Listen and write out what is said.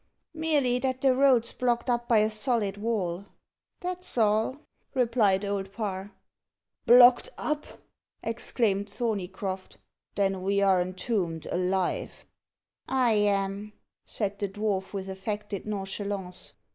"Merely that the road's blocked up by a solid wall that's all," replied Old Parr. "Blocked up!" exclaimed Thorneycroft. "Then we're entombed alive." "I am," said the dwarf, with affected nonchalance.